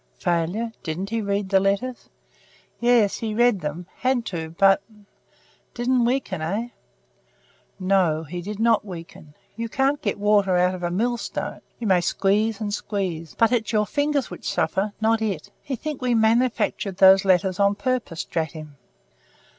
"Failure? Didn't he read the letters?" "Yes, he read them. Had to, but " "Didn't weaken? Eh?" "No, he didn't weaken. You can't get water out of a millstone. You may squeeze and squeeze; but it's your fingers which suffer, not it. He thinks we manufactured those letters ourselves on purpose to draw him."